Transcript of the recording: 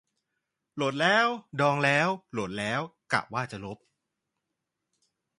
โหลดแล้ว ดองแล้ว โหลดแล้ว กะว่าจะลบ